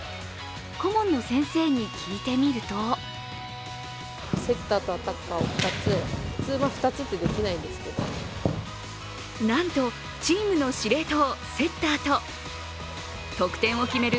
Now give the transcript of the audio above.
顧問の先生に聞いてみるとなんと、チームの司令塔セッターと得点を決める